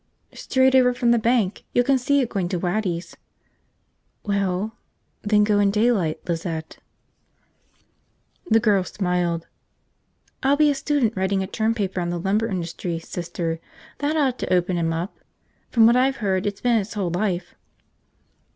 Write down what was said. "Straight over from the bank. You can see it, going to Waddy's." "Well ... then go in daylight, Lizette." The girl smiled. "I'll be a student writing a term paper on the lumber industry, Sister. That ought to open him up. From what I've heard, it's been his whole life."